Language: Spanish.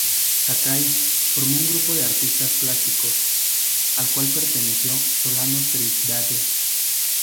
Sakai formó un grupo de artistas plásticos, al cual perteneció Solano Trindade.